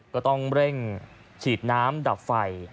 ก็ต้องเร่งฉีดน้ำดับไฟ